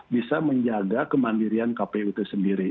bisa menjaga kemandirian kpu itu sendiri